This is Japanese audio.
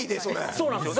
そうなんですよ。